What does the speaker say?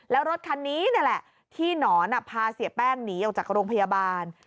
แล้วรถคันนี้นี่แหละที่หนอนพาเสียแป้งหนีออกจากโรงพยาบาล